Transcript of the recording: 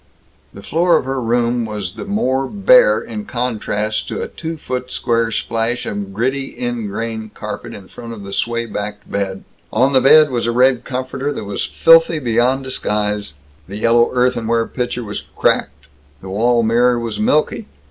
The floor of her room was the more bare in contrast to a two foot square splash of gritty ingrain carpet in front of the sway backed bed. On the bed was a red comforter that was filthy beyond disguise. The yellow earthenware pitcher was cracked. The wall mirror was milky.